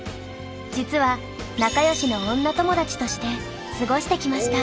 実は仲良しの女友達として過ごしてきました。